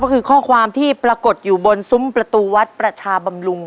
ก็คือข้อความที่ปรากฏอยู่บนซุ้มประตูวัดประชาบำรุง